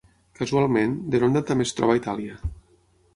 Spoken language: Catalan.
Casualment, Deronda també es troba a Itàlia.